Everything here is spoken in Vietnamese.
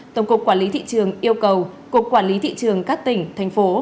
tổng cục quản lý thị trường yêu cầu cục quản lý thị trường các tỉnh thành phố